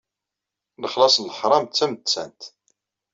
Lexlaṣ n leḥram, d tamettant.